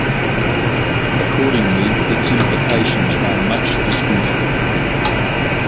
Accordingly, its implications are much disputed.